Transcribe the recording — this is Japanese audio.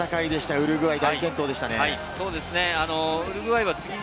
ウルグアイ、大健闘でしたね。